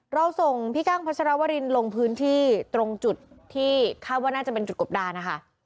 เราส่งพี่กั้งพัชรวรินลงพื้นที่ตรงจุดที่คาดว่าน่าจะเป็นจุดกบดานนะคะ